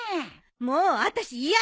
もうあたし嫌よ。